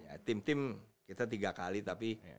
ya tim tim kita tiga kali tapi